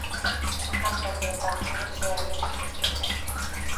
har qanday bahsni chiroyli uslubda